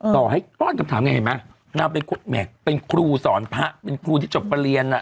ต่อให้ต้นคำถามไงเห็นไหมนางเป็นครูสอนพระเป็นครูที่จบประเรียนอ่ะ